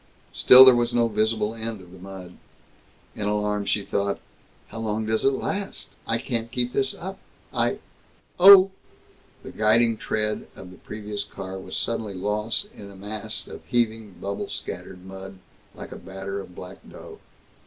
Still there was no visible end of the mud. In alarm she thought, "How long does it last? I can't keep this up. I Oh!" The guiding tread of the previous car was suddenly lost in a mass of heaving, bubble scattered mud, like a batter of black dough.